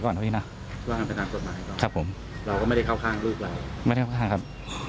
ก่อนดีนะครับผมไม่ได้เข้าข้างครับ